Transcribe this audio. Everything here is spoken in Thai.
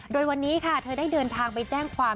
โดยวันนี้ค่ะเธอได้เดินทางไปแจ้งความ